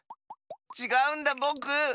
ちがうんだぼく。